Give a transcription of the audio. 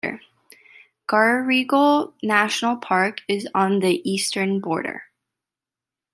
Garigal National Park is on the eastern border.